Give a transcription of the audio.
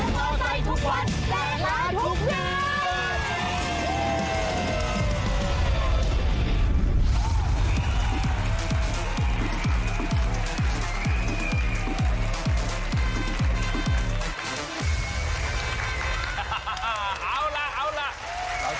และมอเตอร์ไซค์ทุกวันและล้านทุกเดือน